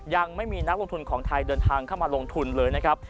ยังไม่มีนักลงทุนของไทยเดินทางเข้ามาลงทุนเลยนะครับ